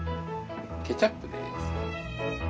ケチャップです。